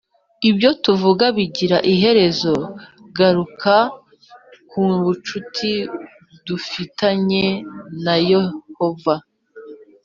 Ibyo tuvuga bigira izihe ngaruka ku bucuti dufitanye na Yehova